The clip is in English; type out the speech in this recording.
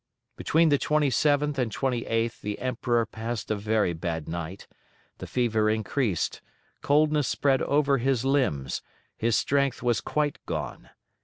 Between the 27th and 28th the Emperor passed a very bad night; the fever increased, coldness spread over his limbs, his strength was quite gone.